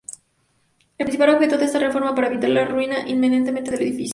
El principal objeto de esta reforma era evitar la ruina inminente del edificio.